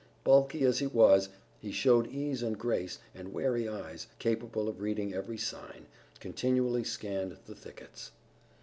Bulky as he was he showed ease and grace, and wary eyes, capable of reading every sign, continually scanned the thickets.